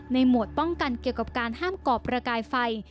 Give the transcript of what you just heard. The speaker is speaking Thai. หมวดป้องกันเกี่ยวกับการห้ามก่อประกายไฟ